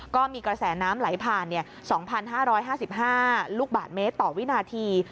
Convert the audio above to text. ก็มีกระแสน้ำไหลผ่าน๒๕๕๕ลูกบาทเมตรต่อวินาที